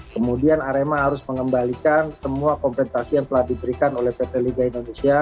kemudian arema harus mengembalikan semua kompensasi yang telah diberikan oleh pt liga indonesia